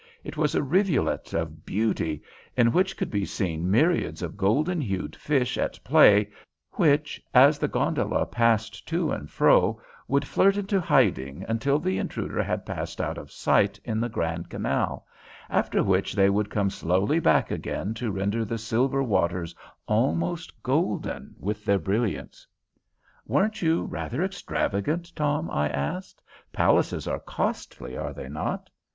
It was a rivulet of beauty, in which could be seen myriads of golden hued fish at play, which as the gondola passed to and fro would flirt into hiding until the intruder had passed out of sight in the Grand Canal, after which they would come slowly back again to render the silver waters almost golden with their brilliance." "Weren't you rather extravagant, Tom?" I asked. "Palaces are costly, are they not?"